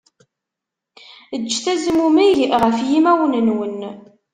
Ǧǧet azmummeg ɣef yimawen-nwen.